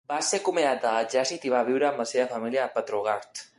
Va ser acomiadat de l'exèrcit i va viure amb la seva família a Petrograd.